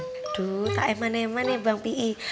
aduh tak eman eman ya bang pi'i